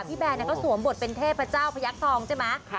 พี่แบร์เนี่ยก็สวมบทเป็นเทพเจ้าพระยักษ์ทองใช่ไหม